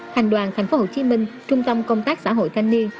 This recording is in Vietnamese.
thành đoàn tp hcm trung tâm công tác xã hội thanh niên